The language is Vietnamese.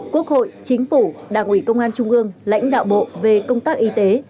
quốc hội chính phủ đảng ủy công an trung ương lãnh đạo bộ về công tác y tế